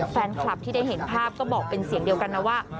แฟนคลับที่ได้เห็นภาพก็บอกเป็นเสียงเดียวกันนะว่า